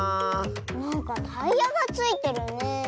なんかタイヤがついてるねえ。